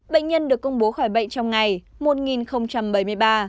bệnh nhân được công bố khỏi bệnh trong ngày một nghìn bảy mươi ba